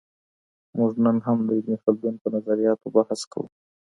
موږ نن هم د ابن خلدون په نظریاتو بحث کوو.